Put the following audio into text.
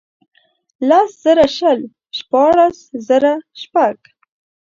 لس زره شل ، شپاړس زره شپږ.